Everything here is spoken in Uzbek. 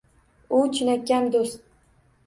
U – chinakam do’st.